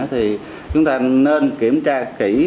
thì chúng ta nên kiểm tra kỹ